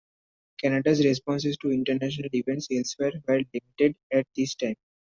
Canada's responses to international events elsewhere were limited at this time.